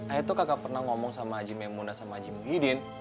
ayah tuh kagak pernah ngomong sama haji memunda sama haji muhyiddin